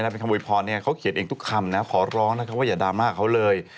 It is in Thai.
เป็นคำโวยพรเขาเขียนเองทุกคำนะขอร้องนะครับว่าอย่าดราม่าเขาเลย